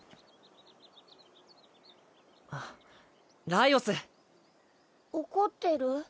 ライオス怒ってる？